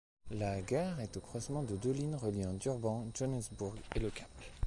La gare est au croisement de deux lignes reliant Durban, Johannesburg et Le Cap.